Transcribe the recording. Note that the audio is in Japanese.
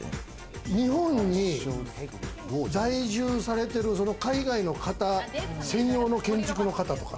日本に在住されてる海外の方、専用の建築の方とか。